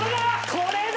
これだ！